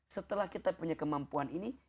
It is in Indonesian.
setelah kita punya kemampuan ini